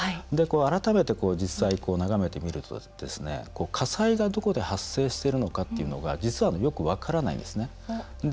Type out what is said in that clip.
改めて実際、眺めてみると火災がどこで発生しているのかっていうのが実は、よく分からないんですね。